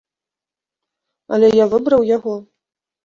Але я выбраў яго.